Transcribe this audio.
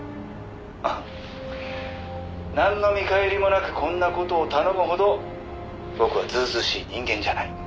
「ああなんの見返りもなくこんな事を頼むほど僕はずうずうしい人間じゃない」